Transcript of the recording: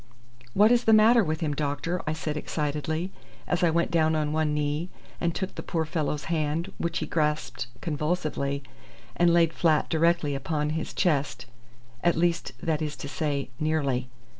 "What is the matter with him, doctor?" I said excitedly, as I went down on one knee and took the poor fellow's hand, which he grasped convulsively, and laid flat directly upon his chest at least that is to say, nearly.